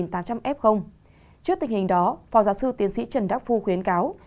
trước tình hình đó phó giáo sư tiến sĩ trần đắc phu khuyến cáo